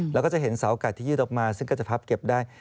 แล้วก็จะเห็นเสากัดที่ยืดออกมาซึ่งก็จะพับเก็บได้